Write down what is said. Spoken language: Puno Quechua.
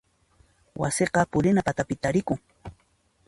Wasiqa purina patapi tarikun.